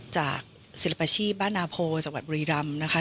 จากศิลปาชีพบ้านนาโพจังหวัดบุรีรำนะคะ